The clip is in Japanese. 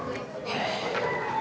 へえ！